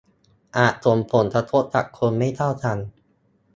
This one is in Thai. อาจส่งผลกระทบกับคนไม่เท่ากัน